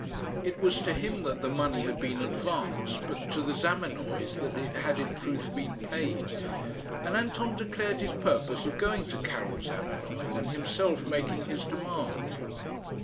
It was to him that the money had been advanced, but to the Zamenoys that it had in truth been paid; and Anton declared his purpose of going to Karil Zamenoy and himself making his demand.